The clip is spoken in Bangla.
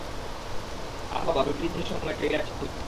আমার বাবা ব্রিটিশদের সময়ে ট্রেইলার ছিলো।